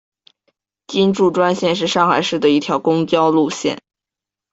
金祝专线是上海市的一条公交路线。